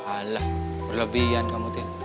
alah berlebihan kamu tin